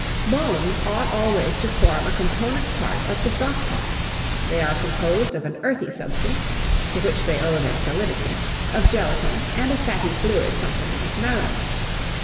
BONES ought always to form a component part of the stock pot. They are composed of an earthy substance, to which they owe their solidity, of gelatine, and a fatty fluid, something like marrow.